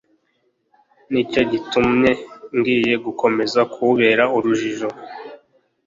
Ni cyo gitumye ngiye gukomeza kuwubera urujijo,